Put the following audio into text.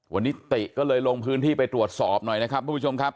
วันนี้ติ๊ก็เลยลงพื้นที่ไปตรวจสอบหน่อยนะครับ